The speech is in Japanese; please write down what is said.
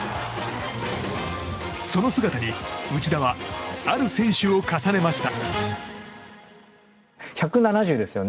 その姿に、内田はある選手を重ねました。